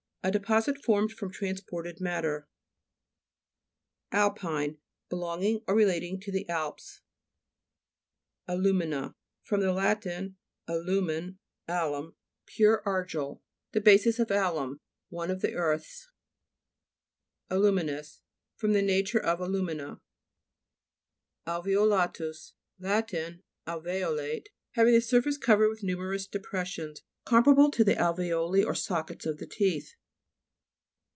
A deposit formed from transported matter, (p. 94.) ALPINE Belonging or relating to the Alps. ALU'MISTA fr. lat. alurnen, alunii (211) 212 GLOSSARY. GEOLOGY. Pure argil ; the basis of alum ; one of the earths. ALU'MINOUS Of the nature of alu' mina. ALVEOLA'TUS Lat. Alve'olate. Hav ing the surface covered with nu merous depressions, comparable to the alve'oli or sockets of the teeth.